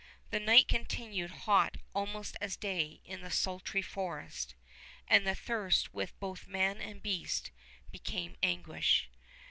The night continued hot almost as day in the sultry forest, and the thirst with both man and beast became anguish.